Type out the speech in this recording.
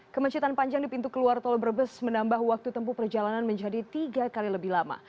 kemacetan panjang di pintu keluar tol brebes menambah waktu tempuh perjalanan menjadi tiga kali lebih lama